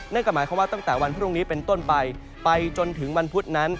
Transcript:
นั่นก็หมายความว่าตั้งแต่วันพรุ่งนี้เป็นต้นไปไปจนถึงวันพุธนั้น